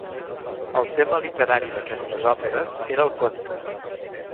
El tema literari d'aquestes òperes era el conte.